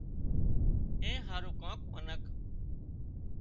اين هارو ڪانڪ منک